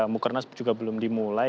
mukernas juga belum dimulai